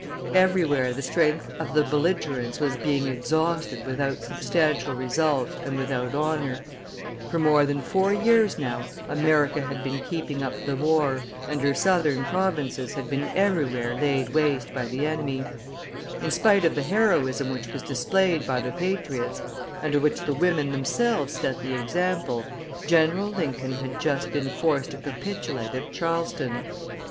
Everywhere the strength of the belligerents was being exhausted without substantial result and without honor; for more than four years now America had been keeping up the war, and her Southern provinces had been everywhere laid waste by the enemy; in spite of the heroism which was displayed by the patriots, and of which the women themselves set the example, General Lincoln had just been forced to capitulate at Charleston.